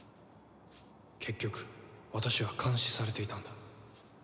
結局私は監視されていたんだ